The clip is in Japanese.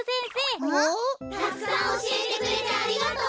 たくさんおしえてくれてありがとう！